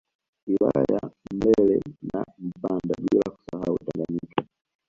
Wilaya ya Mlele na Mpanda bila kusahau Tanganyika